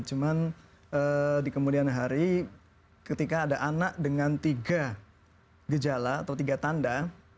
cuman di kemudian hari ketika ada anak dengan tiga gejala atau tiga tanda